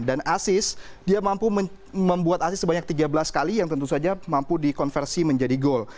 dan asis dia mampu membuat asis sebanyak tiga belas kali yang tentu saja mampu dikonversi menjadi gol